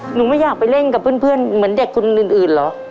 หนูไม่อยากไปเล่นกับเพื่อนเหมือนเด็กคนอื่นเหรอ